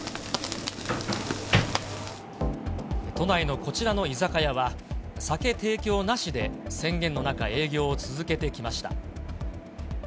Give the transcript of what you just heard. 都内のこちらの居酒屋は、酒提供なしで宣言の中、営業を続けてきました。